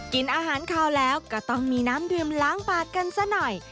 กินอาหารขาวแล้วก็ต้องมีน้ำดื่มล้างปากกันซะหน่อย